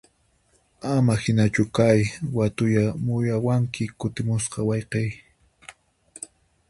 Ama hinachu kay, watuyakamuwanki kutimuspa wayqiy!